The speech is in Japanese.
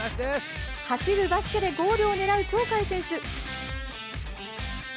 走るバスケでゴールを狙う鳥海選手。